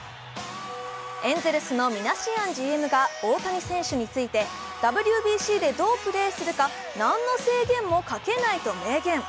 エンゼルスのミナシアンＧＭが大谷選手についてＷＢＣでどうプレーするか何の制限もかけないと明言。